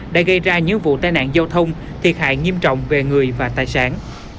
đã gây ra những vụ tai nạn giao thông thiệt hại nghiêm trọng về người và tài sản